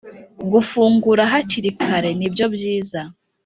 gufungura hakiri kare ni byo byiza